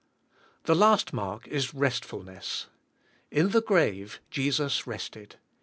The last mark is restfulness. In the grave Jesus rested.